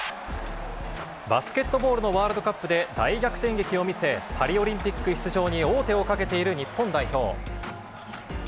バスケットボールのワールドカップで大逆転劇を見せ、パリオリンピック出場に王手をかけている日本代表。